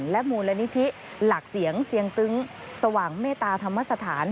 และมูลนิธิหลักเสียงเสียงตึ้งสว่างเมตตาธรรมสถาน